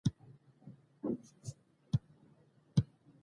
له مستبدو واکمنو سره یې مصلحت ونکړ.